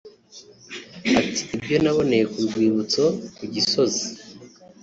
ati “Ibyo naboneye ku rwibutso (ku Gisozi)